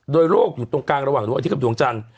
โดยโลกอยู่ตรงกลางระหว่างดวงอาทิตยกับดวงจันทร์